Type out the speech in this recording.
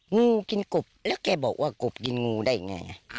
งูกินกบแล้วแกบอกว่ากบกินงูได้ไง